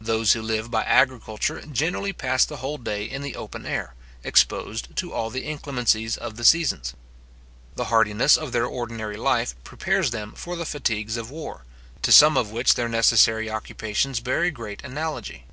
Those who live by agriculture generally pass the whole day in the open air, exposed to all the inclemencies of the seasons. The hardiness of their ordinary life prepares them for the fatigues of war, to some of which their necessary occupations bear a great analogy.